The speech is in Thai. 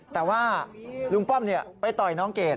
แต่ว่าลุงป้อมไปต่อยน้องเกด